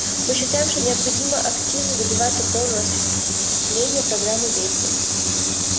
Мы считаем, что необходимо активно добиваться полного осуществления Программы действий.